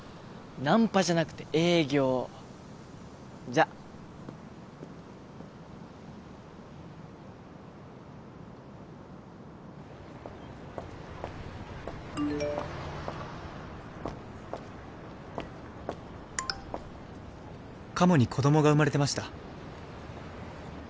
ナンパじゃなくて営業じゃっ「鴨に子供が生まれてました」